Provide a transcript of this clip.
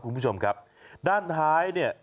คุณผู้ชมครับด้านท้ายเนี่ย